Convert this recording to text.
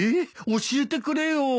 え教えてくれよ。